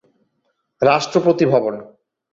রাষ্ট্রপতি ভবন